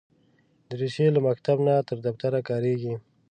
دریشي له مکتب نه تر دفتره کارېږي.